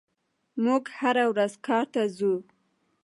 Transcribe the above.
موږ هره ورځ کار ته ځو.